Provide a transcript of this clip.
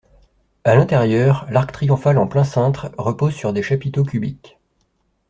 À l'intérieur, l'arc triomphal en plein cintre repose sur des chapiteaux cubiques.